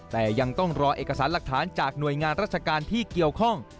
แต่ยังต้องรอเอกสารหลักฐานจากหน่วยงานราชการที่เกี่ยวข้อง